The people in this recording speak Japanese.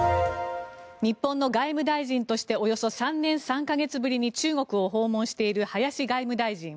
日本の外務大臣としておよそ３年３か月ぶりに中国を訪問している林外務大臣。